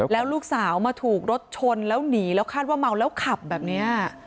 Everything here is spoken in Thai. และลูกสาวมาถูกรถชนและหนีแล้วคาดว่ามาวและเขล่าแบบนี้